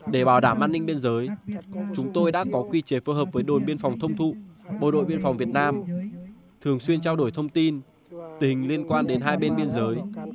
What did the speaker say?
để bảo đảm an ninh biên giới chúng tôi đã có quy chế phối hợp với đồn biên phòng thông thụ bộ đội biên phòng việt nam thường xuyên trao đổi thông tin tình hình liên quan đến hai bên biên giới